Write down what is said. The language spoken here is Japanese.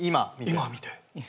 今見て。